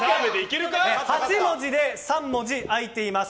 ８文字で３文字開いています。